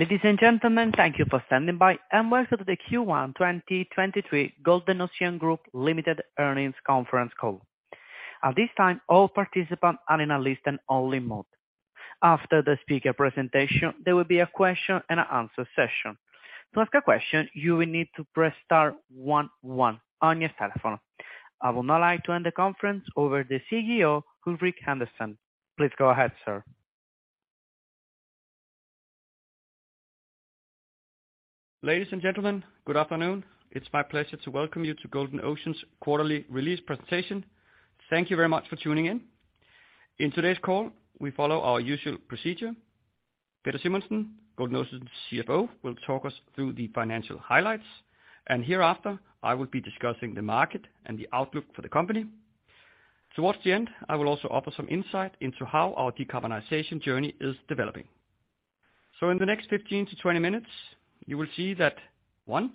adies and gentlemen, thank you for standing by, and welcome to the Q1 2023 Golden Ocean Group Limited earnings conference call. At this time, all participants are in a listen-only mode. After the speaker presentation, there will be a question and answer session. To ask a question, you will need to press star one one on your telephone. I would now like to hand the conference over to CEO Ulrik Andersen. Please go ahead, sir. Ladies and gentlemen, good afternoon. It's my pleasure to welcome you to Golden Ocean's quarterly release presentation. Thank you very much for tuning in. In today's call, we follow our usual procedure. Peder Simonsen, Golden Ocean's CFO, will talk us through the financial highlights. Hereafter, I will be discussing the market and the outlook for the company. Towards the end, I will also offer some insight into how our decarbonization journey is developing. In the next 15 to 20 minutes, you will see that, one,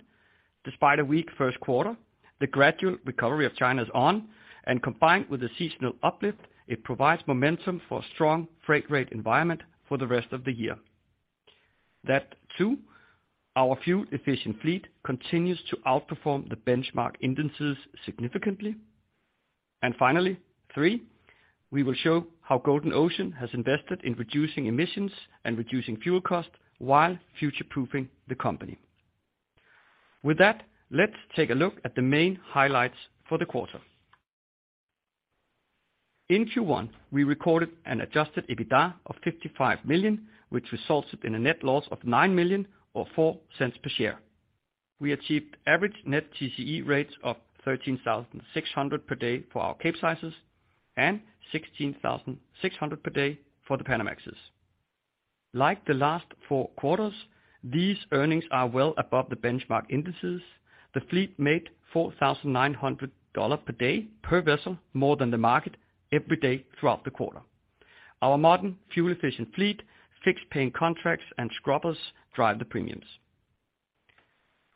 despite a weak Q1, the gradual recovery of China is on, and combined with the seasonal uplift, it provides momentum for strong freight rate environment for the rest of the year. Two, our fuel-efficient fleet continues to outperform the benchmark indices significantly. Finally, three, we will show how Golden Ocean has invested in reducing emissions and reducing fuel costs while future-proofing the company. With that, let's take a look at the main highlights for the quarter. In Q1, we recorded an adjusted EBITDA of $55 million, which resulted in a net loss of $9 million or $0.04 per share. We achieved average net TCE rates of 13,600 per day for our Capesizes and 16,600 per day for the Panamaxes. Like the last four quarters, these earnings are well above the benchmark indices. The fleet made $4,900 per day per vessel more than the market every day throughout the quarter. Our modern, fuel-efficient fleet, fixed paying contracts, and scrubbers drive the premiums.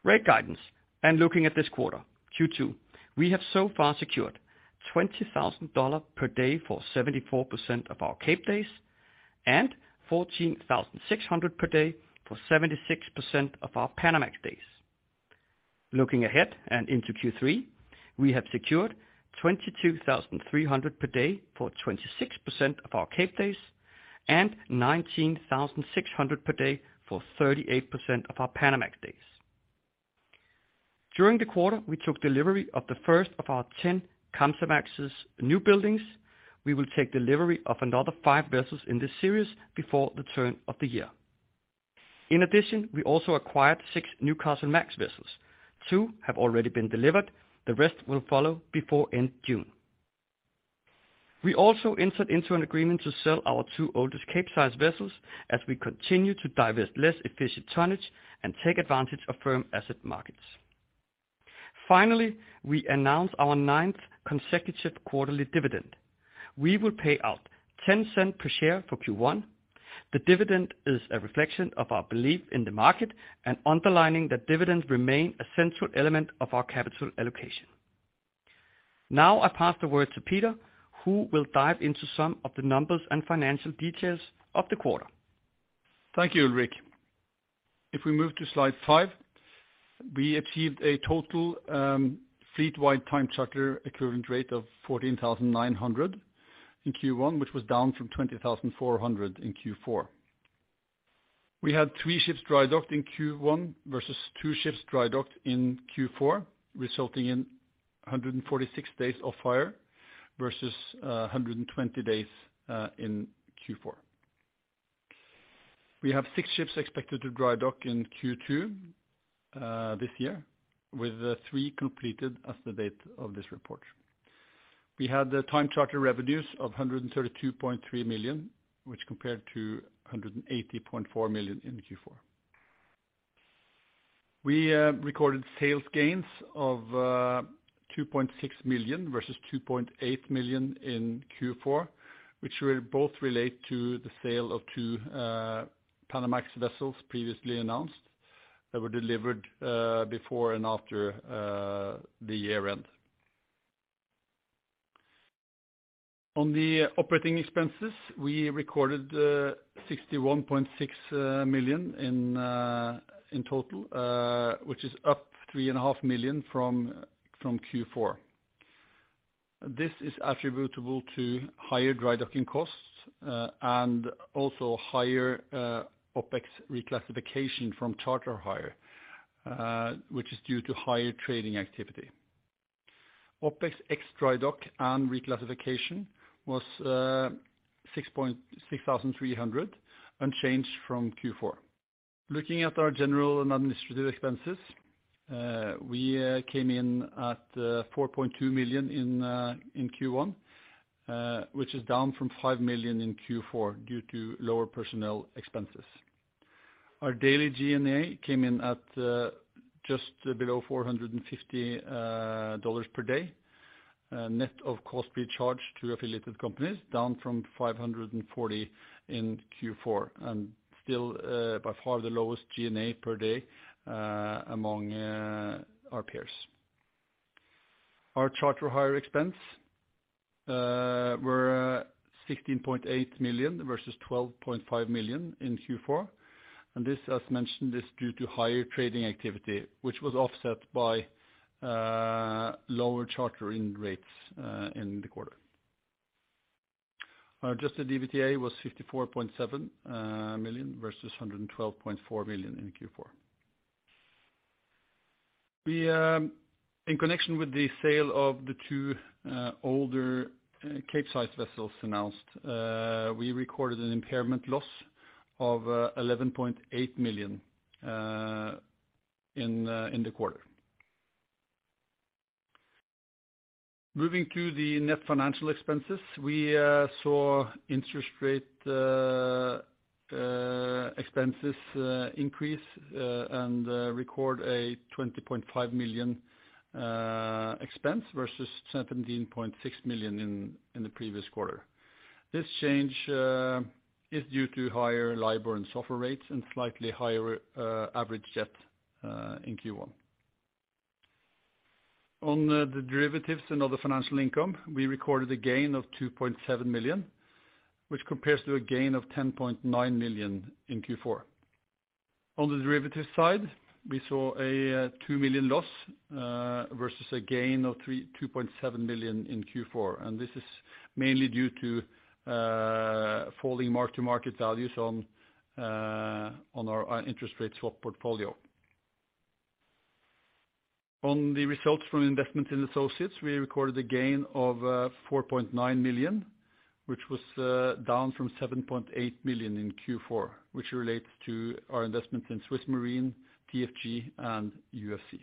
Rate guidance. Looking at this quarter, Q2, we have so far secured $20,000 per day for 74% of our Cape days and $14,600 per day for 76% of our Panamax days. Looking ahead and into Q3, we have secured $22,300 per day for 26% of our Cape days and $19,600 per day for 38% of our Panamax days. During the quarter, we took delivery of the first of our 10 Kamsarmaxes new buildings. We will take delivery of another five vessels in this series before the turn of the year. In addition, we also acquired six Newcastlemax vessels. Two have already been delivered. The rest will follow before end June. We also entered into an agreement to sell our two oldest Capesize vessels as we continue to divest less efficient tonnage and take advantage of firm asset markets. We announced our ninth consecutive quarterly dividend. We will pay out $0.10 per share for Q1. The dividend is a reflection of our belief in the market and underlining that dividends remain a central element of our capital allocation. I pass the word to Peder, who will dive into some of the numbers and financial details of the quarter. Thank you, Ulrik. If we move to slide 5, we achieved a total fleet-wide time charter equivalent rate of $14,900 in Q1, which was down from $20,400 in Q4. We had three ships dry docked in Q1 versus two ships dry docked in Q4, resulting in 146 days off-hire versus 120 days in Q4. We have six ships expected to dry dock in Q2 this year, with three com pleted as the date of this report. We had the time charter revenues of $132.3 million, which compared to $180.4 million in Q4. We recorded sales gains of $2.6 million versus $2.8 million in Q4, which will both relate to the sale of two Panamax vessels previously announced that were delivered before and after the year end. On the operating expenses, we recorded $61.6 million in total, which is up $3.5 million from Q4. This is attributable to higher dry docking costs and also higher OpEx reclassification from charter hire, which is due to higher trading activity. OpEx ex-dry dock and reclassification was $6,300, unchanged from Q4. Looking at our general and administrative expenses, we came in at $4.2 million in Q1, which is down from $5 million in Q4 due to lower personnel expenses. Our daily G&A came in at just below $450 per day, net of cost being charged to affiliated companies, down from $540 in Q4, and still by far the lowest G&A per day among our peers. Our charter hire expense were $16.8 million versus $12.5 million in Q4. This, as mentioned, is due to higher trading activity, which was offset by lower chartering rates in the quarter. Adjusted EBITDA was $54.7 million versus $112.4 million in Q4. We, in connection with the sale of the two older Capesize vessels announced, we recorded an impairment loss of $11.8 million in the quarter. Moving to the net financial expenses, we saw interest rate expenses increase and record a $20.5 million expense versus $17.6 million in the previous quarter. This change is due to higher LIBOR and SOFR rates and slightly higher average debt in Q1. On the derivatives and other financial income, we recorded a gain of $2.7 million, which compares to a gain of $10.9 million in Q4. On the derivatives side, we saw a $2 million loss versus a gain of $2.7 million in Q4. This is mainly due to falling mark-to-market values on our interest rate swap portfolio. On the results from investment in associates, we recorded a gain of $4.9 million, which was down from $7.8 million in Q4, which relates to our investment in Swiss Marine, TFG and UFC.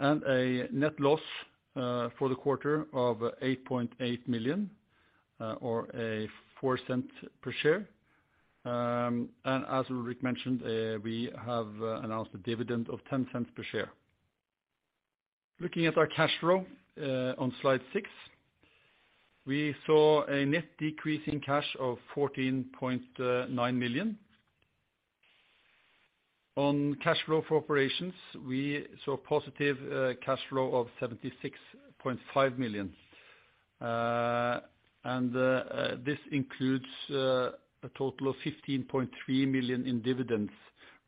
A net loss for the quarter of $8.8 million, or a $0.04 per share. As Ulrik mentioned, we have announced a dividend of $0.10 per share. Looking at our cash flow, on slide 6, we saw a net decrease in cash of $14.9 million. On cash flow for operations, we saw a positive cash flow of $76.5 million. This includes a total of $15.3 million in dividends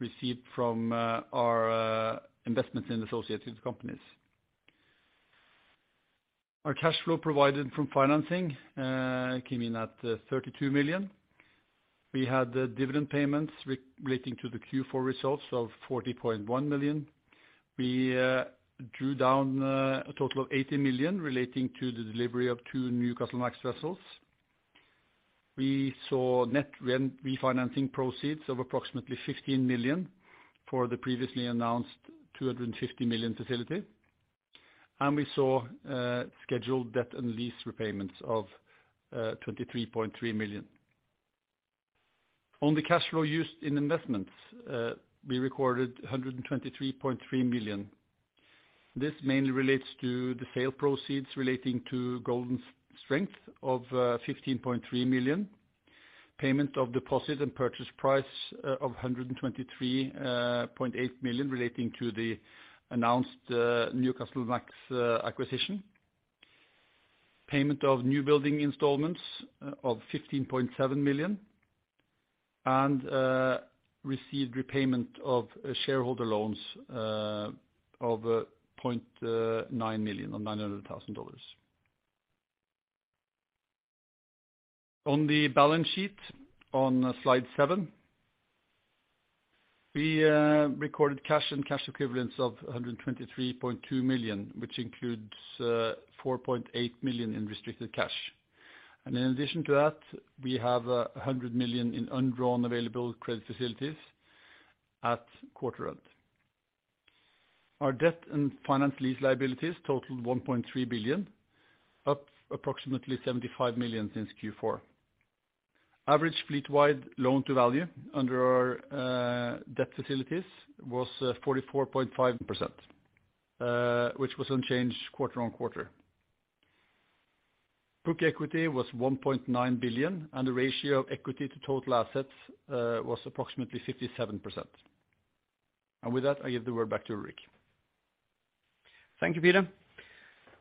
received from our investments in associated companies. Our cash flow provided from financing came in at $32 million. We had the dividend payments relating to the Q4 results of $40.1 million. We drew down a total of $80 million relating to the delivery of two Newcastlemax vessels. We saw net refinancing proceeds of approximately $15 million for the previously announced $250 million facility. We saw scheduled debt and lease repayments of $23.3 million. On the cash flow used in investments, we recorded $123.3 million. This mainly relates to the sale proceeds relating to Golden Strength of $15.3 million, payment of deposit and purchase price of $123.8 million relating to the announced Newcastlemax acquisition. Payment of new building installments, of $15.7 million, and received repayment of shareholder loans, of $0.9 million or $900,000. On the balance sheet on slide 7, we recorded cash and cash equivalents of $123.2 million, which includes $4.8 million in restricted cash. In addition to that, we have $100 million in undrawn available credit facilities at quarter end. Our debt and finance lease liabilities totaled $1.3 billion, up approximately $75 million since Q4. Average fleet-wide loan-to-value under our debt facilities was 44.5%, which was unchanged quarter on quarter. Book equity was $1.9 billion, and the ratio of equity to total assets, was approximately 57%. With that, I give the word back to Ulrik. Thank you, Peder.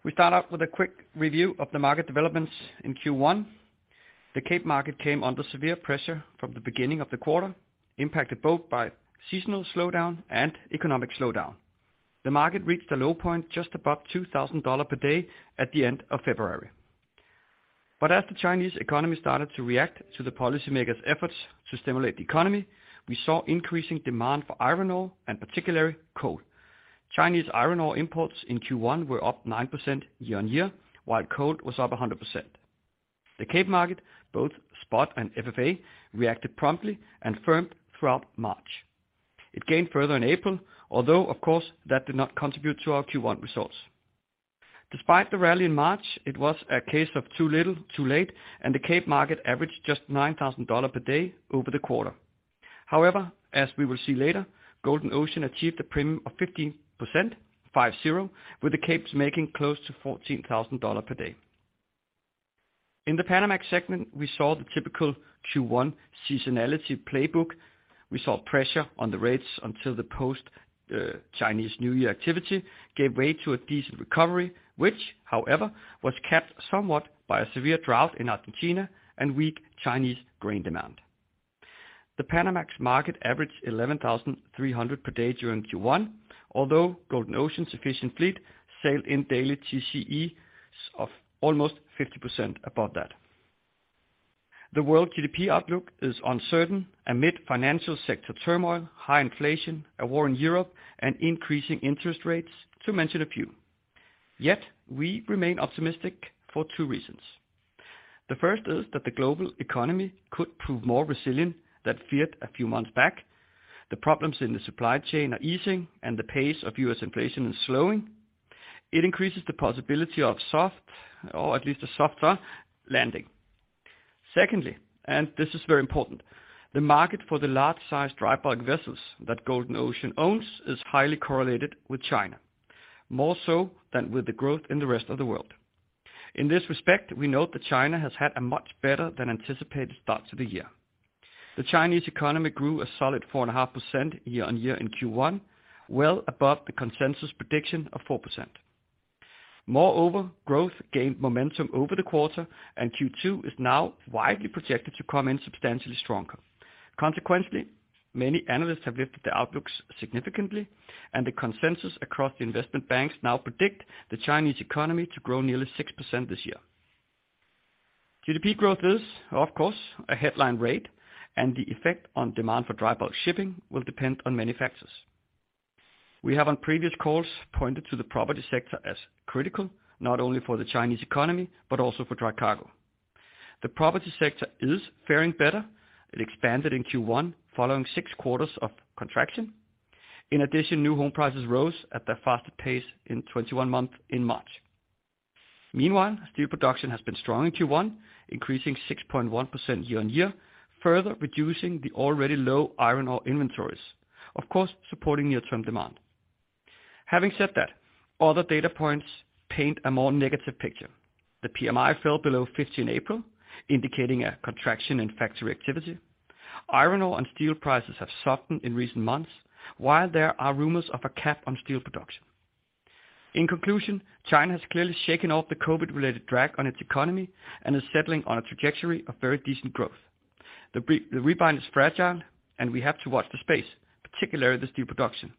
We start out with a quick review of the market developments in Q1. The Capesize Market came under severe pressure from the beginning of the quarter, impacted both by seasonal slowdown and economic slowdown. The market reached a low point just above $2,000 per day at the end of February. As the Chinese economy started to react to the policymakers' efforts to stimulate the economy, we saw increasing demand for iron ore and particularly coal. Chinese iron ore imports in Q1 were up 9% year-on-year, while coal was up 100%. The Capesize Market, both spot and FFA, reacted promptly and firmed throughout March. It gained further in April, although, of course, that did not contribute to our Q1 results. Despite the rally in March, it was a case of too little, too late, and the Capesize market averaged just $9,000 per day over the quarter. However, as we will see later, Golden Ocean achieved a premium of 15%, with the Capes making close to $14,000 per day. In the Panamax segment, we saw the typical Q1 seasonality playbook. We saw pressure on the rates until the post Chinese New Year activity gave way to a decent recovery, which however, was kept somewhat by a severe drought in Argentina and weak Chinese grain demand. The Panamax market averaged $11,300 per day during Q1, although Golden Ocean sufficient fleet sailed in daily TCEs of almost 50% above that. The world GDP outlook is uncertain amid financial sector turmoil, high inflation, a war in Europe, and increasing interest rates to mention a few. Yet we remain optimistic for two reasons. The first is that the global economy could prove more resilient than feared a few months back. The problems in the supply chain are easing and the pace of U.S. inflation is slowing. It increases the possibility of soft or at least a softer landing. Secondly, and this is very important, the market for the large-sized dry bulk vessels that Golden Ocean owns is highly correlated with China, more so than with the growth in the rest of the world. In this respect, we note that China has had a much better than anticipated start to the year. The Chinese economy grew a solid 4.5% year-on-year in Q1, well above the consensus prediction of 4%. Moreover, growth gained momentum over the quarter, and Q2 is now widely projected to come in substantially stronger. Consequently, many analysts have lifted their outlooks significantly, and the consensus across the investment banks now predict the Chinese economy to grow nearly 6% this year. GDP growth is, of course, a headline rate, and the effect on demand for dry bulk shipping will depend on many factors. We have on previous calls pointed to the property sector as critical, not only for the Chinese economy but also for dry cargo. The property sector is faring better. It expanded in Q1 following 6 quarters of contraction. In addition, new home prices rose at their fastest pace in 21 months in March. Meanwhile, steel production has been strong in Q1, increasing 6.1% year-on-year, further reducing the already low iron ore inventories, of course, supporting near-term demand. Having said that, other data points paint a more negative picture. The PMI fell below 50 in April, indicating a contraction in factory activity. Iron ore and steel prices have softened in recent months, while there are rumors of a cap on steel production. In conclusion, China has clearly shaken off the COVID-related drag on its economy and is settling on a trajectory of very decent growth. The rebound is fragile and we have to watch the space, particularly the steel production.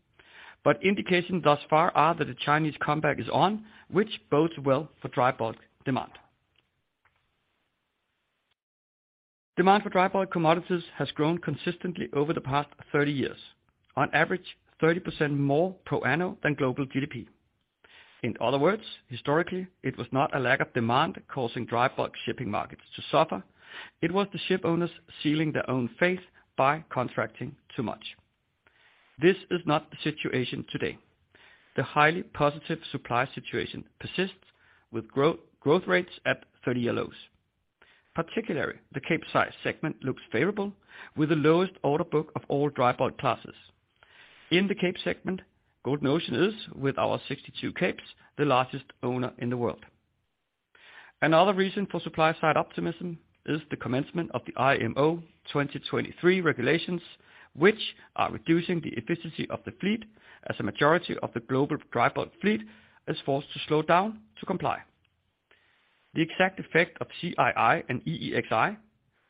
Indications thus far are that the Chinese comeback is on, which bodes well for dry bulk demand. Demand for dry bulk commodities has grown consistently over the past 30 years. On average, 30% more per annum than global GDP. In other words, historically, it was not a lack of demand causing dry bulk shipping markets to suffer. It was the ship owners sealing their own fate by contracting too much. This is not the situation today. The highly positive supply situation persists with growth rates at 30-year lows. Particularly, the Capesize segment looks favorable with the lowest order book of all dry bulk classes. In the Cape segment, Golden Ocean is, with our 62 Capes, the largest owner in the world. Another reason for supply-side optimism is the commencement of the IMO 2023 regulations, which are reducing the efficiency of the fleet as a majority of the global dry bulk fleet is forced to slow down to comply. The exact effect of CII and EEXI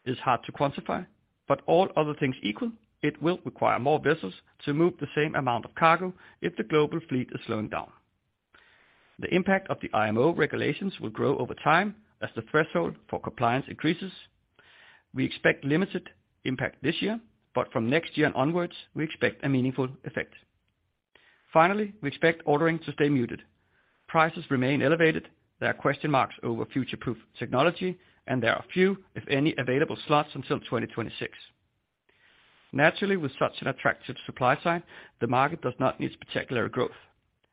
is hard to quantify, but all other things equal, it will require more vessels to move the same amount of cargo if the global fleet is slowing down. The impact of the IMO regulations will grow over time as the threshold for compliance increases. We expect limited impact this year, but from next year onwards, we expect a meaningful effect. Finally, we expect ordering to stay muted. Prices remain elevated. There are question marks over future-proof technology, and there are few, if any, available slots until 2026. Naturally, with such an attractive supply side, the market does not need spectacular growth.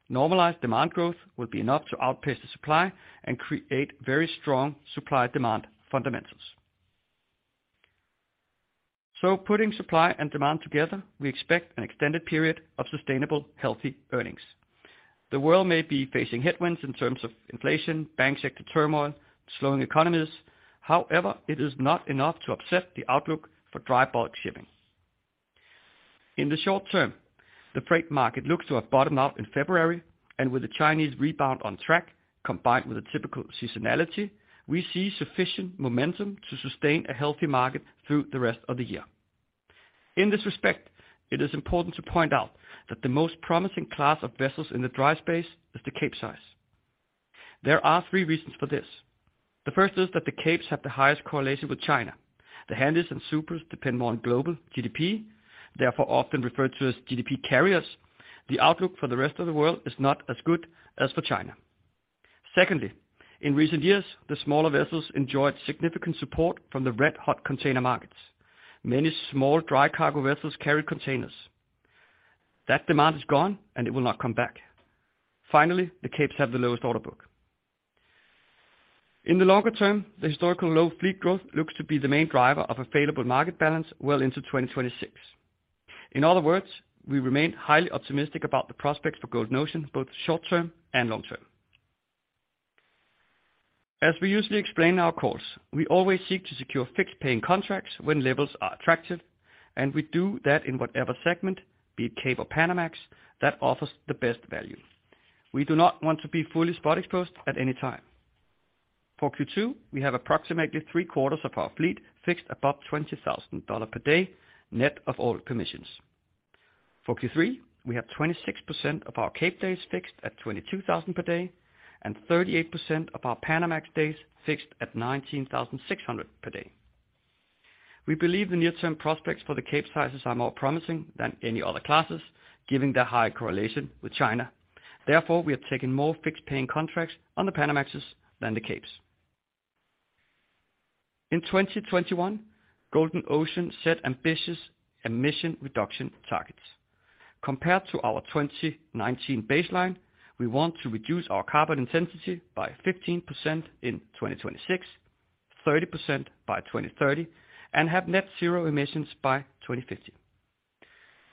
Normalized demand growth will be enough to outpace the supply and create very strong supply-demand fundamentals. Putting supply and demand together, we expect an extended period of sustainable, healthy earnings. The world may be facing headwinds in terms of inflation, bank sector turmoil, slowing economies. It is not enough to upset the outlook for dry bulk shipping. In the short term, the freight market looks to have bottomed out in February, and with the Chinese rebound on track, combined with a typical seasonality, we see sufficient momentum to sustain a healthy market through the rest of the year. In this respect, it is important to point out that the most promising class of vessels in the dry space is the Capesize. There are three reasons for this. The first is that the Capes have the highest correlation with China. The Handys and Supers depend more on global GDP, therefore often referred to as GDP carriers. The outlook for the rest of the world is not as good as for China. Secondly, in recent years, the smaller vessels enjoyed significant support from the red-hot container markets. Many small dry cargo vessels carry containers. That demand is gone, and it will not come back. Finally, the Capes have the lowest order book. In the longer term, the historical low fleet growth looks to be the main driver of a favorable market balance well into 2026. In other words, we remain highly optimistic about the prospects for Golden Ocean, both short-term and long-term. As we usually explain in our calls, we always seek to secure fixed paying contracts when levels are attractive, and we do that in whatever segment, be it Cape or Panamax, that offers the best value. We do not want to be fully spot exposed at any time. For Q2, we have approximately three-quarters of our fleet fixed above $20,000 per day net of all commissions. For Q3, we have 26% of our Cape days fixed at $22,000 per day and 38% of our Panamax days fixed at $19,600 per day. We believe the near-term prospects for the Cape sizes are more promising than any other classes, giving their high correlation with China. We have taken more fixed paying contracts on the Panamax than the Capes. In 2021, Golden Ocean set ambitious emission reduction targets. Compared to our 2019 baseline, we want to reduce our carbon intensity by 15% in 2026, 30% by 2030, and have net zero emissions by 2050.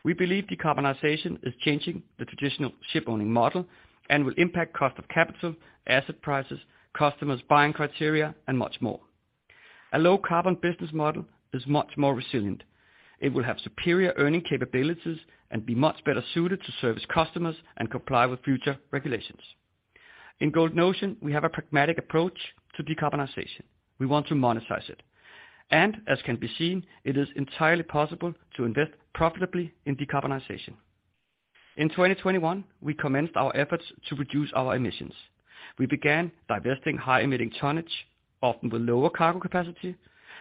We believe decarbonization is changing the traditional ship owning model and will impact cost of capital, asset prices, customers' buying criteria and much more. A low carbon business model is much more resilient. It will have superior earning capabilities and be much better suited to service customers and comply with future regulations. In Golden Ocean, we have a pragmatic approach to decarbonization. We want to monetize it. As can be seen, it is entirely possible to invest profitably in decarbonization. In 2021, we commenced our efforts to reduce our emissions. We began divesting high emitting tonnage, often with lower cargo capacity,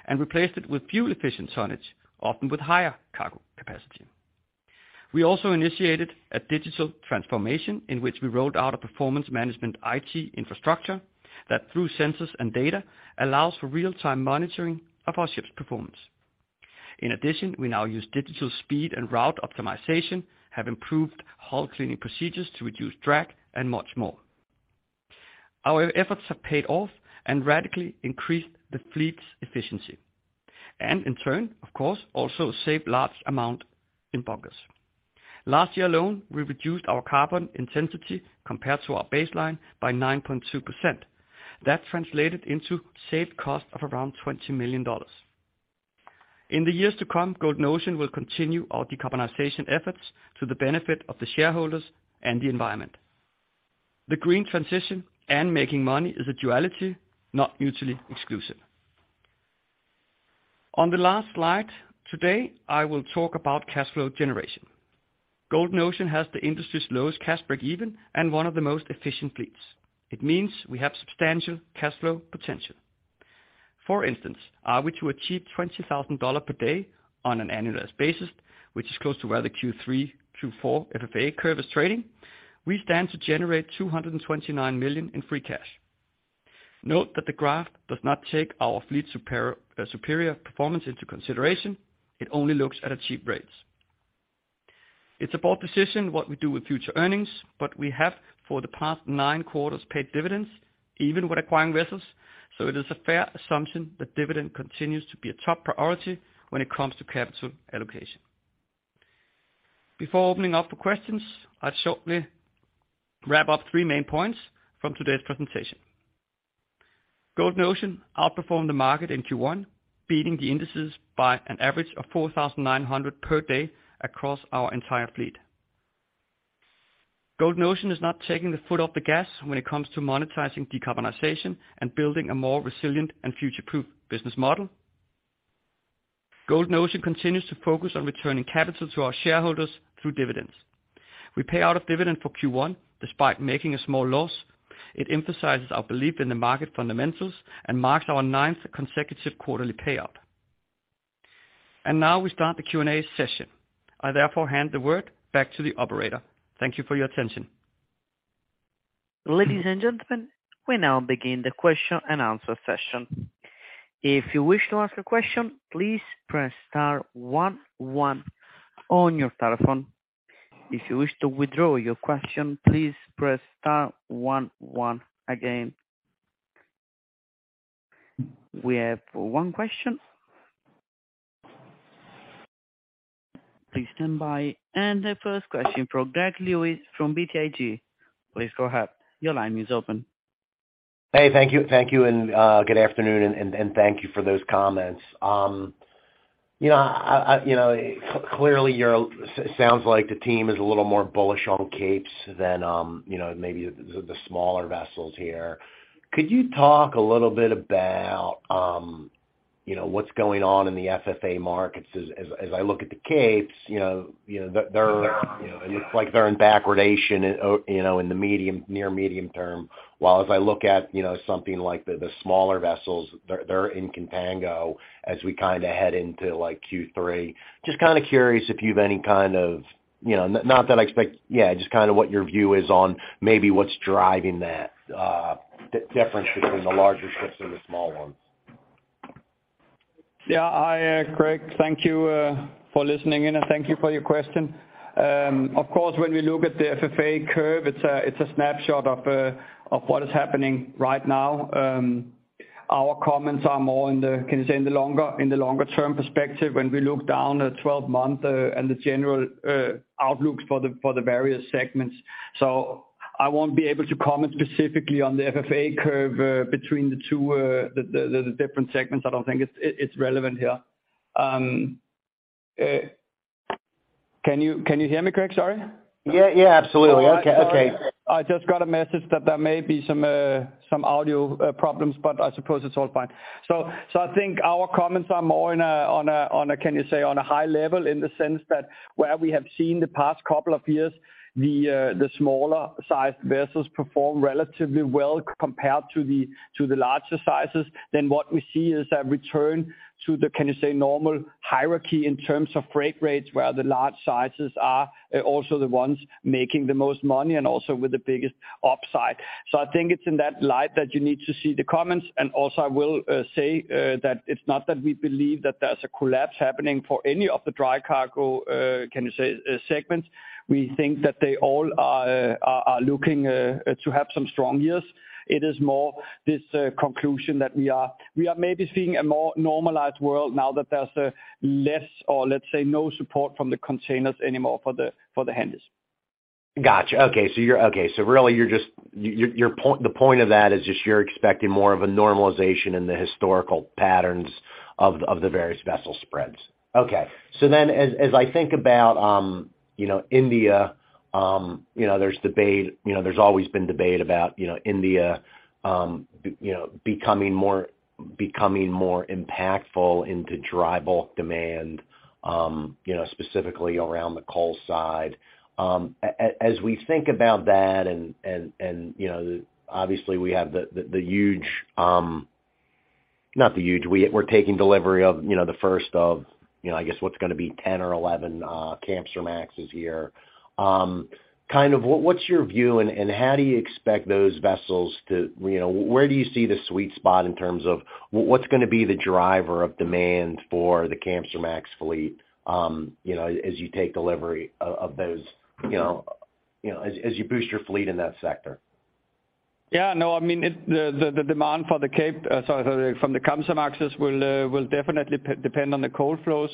and replaced it with fuel efficient tonnage, often with higher cargo capacity. We also initiated a digital transformation in which we rolled out a performance management IT infrastructure that, through sensors and data, allows for real-time monitoring of our ships' performance. In addition, we now use digital speed and route optimization, have improved hull cleaning procedures to reduce drag and much more. Our efforts have paid off and radically increased the fleet's efficiency and in turn, of course, also saved large amount in bunkers. Last year alone, we reduced our carbon intensity compared to our baseline by 9.2%. That translated into saved cost of around $20 million. In the years to come, Golden Ocean will continue our decarbonization efforts to the benefit of the shareholders and the environment. The green transition and making money is a duality, not mutually exclusive. On the last slide today, I will talk about cash flow generation. Golden Ocean has the industry's lowest cash break even and one of the most efficient fleets. It means we have substantial cash flow potential. For instance, are we to achieve $20,000 per day on an annualized basis, which is close to where the Q3-Q4 FFA curve is trading, we stand to generate $229 million in free cash. Note that the graph does not take our fleet superior performance into consideration. It only looks at achieved rates. It's a board decision what we do with future earnings. We have, for the past nine quarters, paid dividends even with acquiring vessels, it is a fair assumption that dividend continues to be a top priority when it comes to capital allocation. Before opening up for questions, I'll shortly wrap up three main points from today's presentation. Golden Ocean outperformed the market in Q1, beating the indices by an average of $4,900 per day across our entire fleet. Golden Ocean is not taking the foot off the gas when it comes to monetizing decarbonization and building a more resilient and future-proof business model. Golden Ocean continues to focus on returning capital to our shareholders through dividends. We pay out a dividend for Q1 despite making a small loss. It emphasizes our belief in the market fundamentals and marks our ninth consecutive quarterly payout. Now we start the Q&A session. I therefore hand the word back to the operator. Thank you for your attention. Ladies and gentlemen, we now begin the question and answer session. If you wish to ask a question, please press star one one on your telephone. If you wish to withdraw your question, please press star one one again. We have one question. Please stand by. The first question from Gregory Lewis from BTIG. Please go ahead. Your line is open. Thank you and good afternoon, and thank you for those comments. You know, I, you know, clearly sounds like the team is a little more bullish on Capes than, you know, maybe the smaller vessels here. Could you talk a little bit about, you know, what's going on in the FFA markets as I look at the Capes, you know, they're, it looks like they're in backwardation, you know, in the medium, near medium term, while as I look at, you know, something like the smaller vessels, they're in contango as we kind of head into like Q3. Just kind of curious if you've any kind of, you know, not that I expect, yeah, just kind of what your view is on maybe what's driving that difference between the larger ships and the small ones? Hi, Gregory. Thank you for listening in and thank you for your question. Of course, when we look at the FFA curve, it's a snapshot of what is happening right now. Our comments are more in the, can you say, in the longer-term perspective when we look down at twelve-month and the general outlook for the various segments. I won't be able to comment specifically on the FFA curve between the two different segments. I don't think it's relevant here. Can you hear me, Craig? Sorry. Yeah. Yeah, absolutely. Okay. Okay. I just got a message that there may be some audio problems, but I suppose it's all fine. I think our comments are more on a high level in the sense that where we have seen the past couple of years the smaller sized vessels perform relatively well compared to the larger sizes, then what we see is a return to the normal hierarchy in terms of freight rates, where the large sizes are also the ones making the most money and also with the biggest upside. I think it's in that light that you need to see the comments. Also I will say that it's not that we believe that there's a collapse happening for any of the dry cargo, can you say, segments. We think that they all are looking to have some strong years. It is more this conclusion that we are maybe seeing a more normalized world now that there's less or let's say, no support from the containers anymore for the handys. Gotcha. Really your point, the point of that is just you're expecting more of a normalization in the historical patterns of the various vessel spreads. As I think about, you know, India, you know, there's debate, you know, there's always been debate about, you know, India, you know, becoming more impactful into dry bulk demand, you know, specifically around the coal side. As we think about that and, you know, obviously we have the huge, not the huge, we're taking delivery of, you know, the first of, I guess what's gonna be 10 or 11 Kamsarmaxes here. kind of what's your view and how do you expect those vessels to, you know, where do you see the sweet spot in terms of what's gonna be the driver of demand for the Kamsarmax fleet, you know, as you take delivery of those, you know, as you boost your fleet in that sector? I mean, the demand for the Kamsarmaxes will definitely depend on the coal flows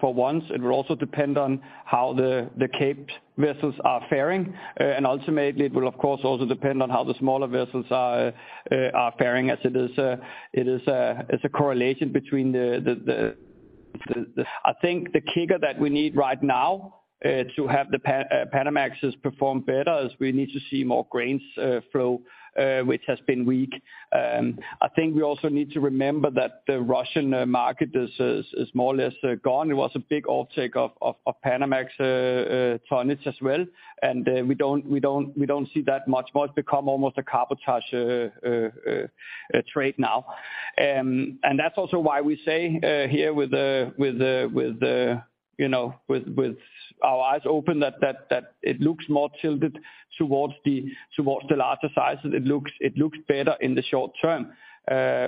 for once. It will also depend on how the Capes vessels are faring. Ultimately it will of course, also depend on how the smaller vessels are faring as it is a correlation between the I think the kicker that we need right now to have the Panamaxes perform better is we need to see more grains flow which has been weak. I think we also need to remember that the Russian market is more or less gone. It was a big off-take of Panamax tonnage as well. We don't see that much more. It's become almost a carpet touch trade now. That's also why we say here with our eyes open that it looks more tilted towards the larger sizes. It looks better in the short term.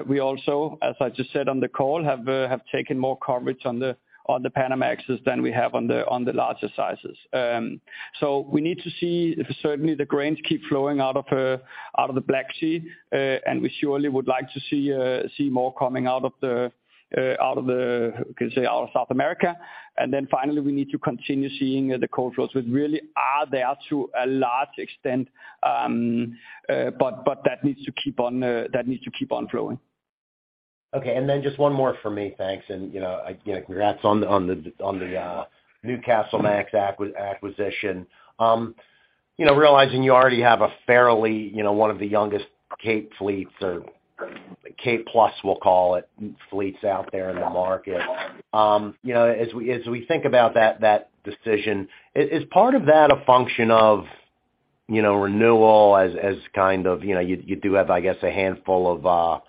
We also, as I just said on the call, have taken more coverage on the Panamax than we have on the larger sizes. We need to see if certainly the grains keep flowing out of the Black Sea. We surely would like to see more coming out of the, can you say, out of South America. Finally, we need to continue seeing the coal flows, which really are there to a large extent, but that needs to keep on flowing. Okay. Just one more for me. Thanks. You know, again, congrats on the Newcastlemax acquisition. You know, realizing you already have a fairly, you know, one of the youngest Cape fleets or Cape Plus, we'll call it, fleets out there in the market. You know, as we, as we think about that decision, is part of that a function of, you know, renewal as kind of, you know, you do have, I guess, a handful of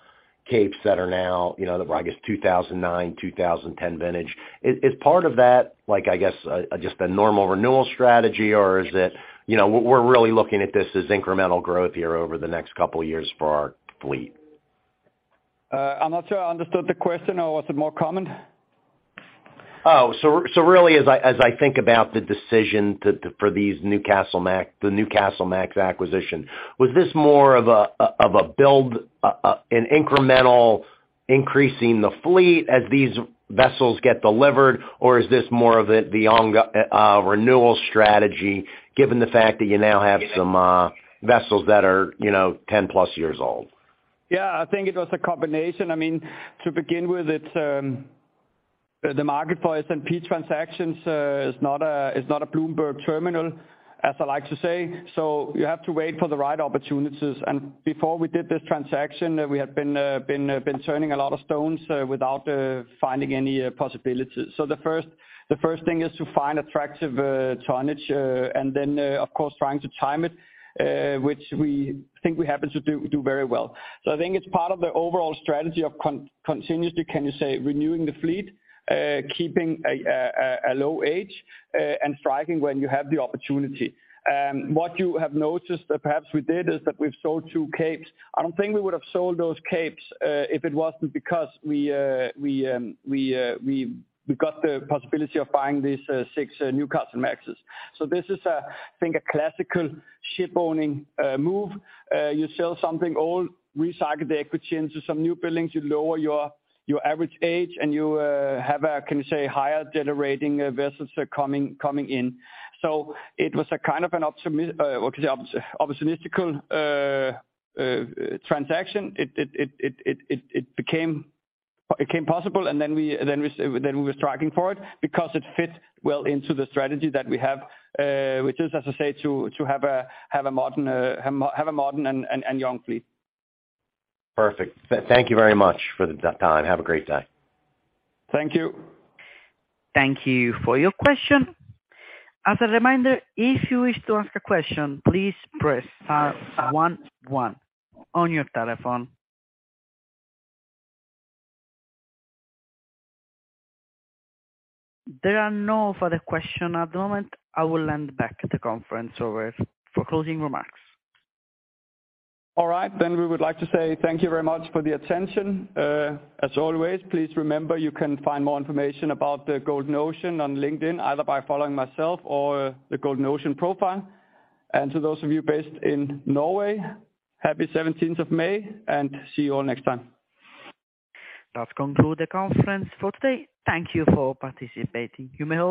Capes that are now, you know, I guess 2009, 2010 vintage. Is, is part of that, like, I guess, just a normal renewal strategy? Is it, you know, we're really looking at this as incremental growth here over the next couple of years for our fleet? I'm not sure I understood the question or was it more comment? Really as I, as I think about the decision to for these Newcastlemax, the Newcastlemax acquisition, was this more of a, of a build, an incremental increasing the fleet as these vessels get delivered, or is this more of the ongoing renewal strategy given the fact that you now have some vessels that are, you know, 10 plus years old? Yeah, I think it was a combination. I mean, to begin with, it's, the market for S&P transactions, is not a Bloomberg terminal, as I like to say. You have to wait for the right opportunities. Before we did this transaction, we had been turning a lot of stones, without finding any possibilities. The first thing is to find attractive tonnage, and then, of course, trying to time it, which we think we happen to do very well. I think it's part of the overall strategy of continuously, can you say, renewing the fleet, keeping a low age, and striking when you have the opportunity. What you have noticed that perhaps we did is that we've sold two Capes. I don't think we would have sold those Capes if it wasn't because we got the possibility of buying these 6 Newcastlemaxes. This is, I think a classical ship owning move. You sell something old, recycle the equity into some new buildings, you lower your average age and you have a, can you say, higher generating vessels coming in. It was a kind of an opportunistical transaction. It became possible, and then we were striking for it because it fit well into the strategy that we have, which is, as I say, to have a modern and young fleet. Perfect. Thank you very much for the time. Have a great day. Thank you. Thank you for your question. As a reminder, if you wish to ask a question, please press star one one on your telephone. There are no further question at the moment. I will hand back to the conference over for closing remarks. All right. We would like to say thank you very much for the attention. As always, please remember, you can find more information about the Golden Ocean on LinkedIn, either by following myself or the Golden Ocean profile. To those of you based in Norway, happy 17th of May, and see you all next time. That conclude the conference for today. Thank you for participating. You may hang up.